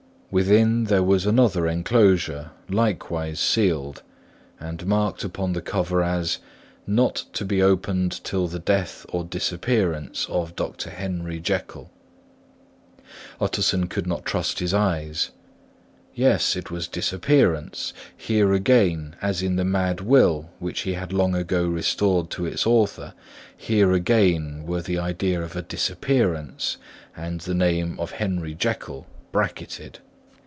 Within there was another enclosure, likewise sealed, and marked upon the cover as "not to be opened till the death or disappearance of Dr. Henry Jekyll." Utterson could not trust his eyes. Yes, it was disappearance; here again, as in the mad will which he had long ago restored to its author, here again were the idea of a disappearance and the name of Henry Jekyll bracketted.